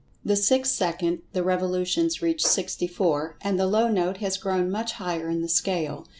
The sixth second the revolutions reach sixty four, and the low note has grown much higher in the scale.